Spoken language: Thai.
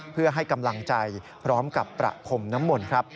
เพื่อให้กำลังใจพร้อมกับประพรมน้ำมนต์ครับ